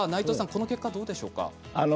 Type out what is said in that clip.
この結果どうでしょうか？